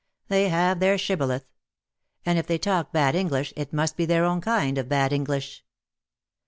They have their shibboleth; and if they talk bad English it must be their own kind of bad English.